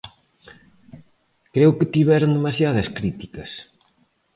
Creo que tiveron demasiadas críticas.